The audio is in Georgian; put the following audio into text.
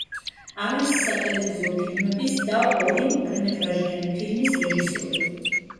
არის სატელევიზიო ფილმების და ორი მოკლემეტრაჟიანი ფილმის რეჟისორი.